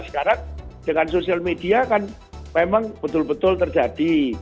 sekarang dengan sosial media kan memang betul betul terjadi